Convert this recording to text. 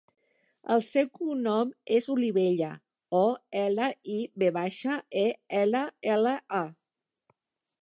El seu cognom és Olivella: o, ela, i, ve baixa, e, ela, ela, a.